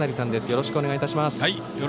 よろしくお願いします。